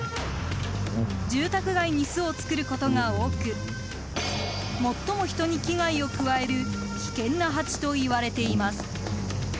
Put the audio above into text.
住宅街に巣を作ることが多く最も人に危害を加える危険なハチといわれています。